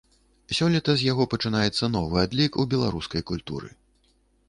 Сёлета з яго пачынаецца новы адлік у беларускай культуры.